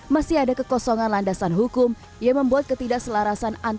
masih ada kekosongan landasan hukum yang membuat ketidakselarasan